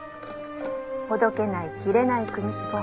「ほどけない切れない組紐」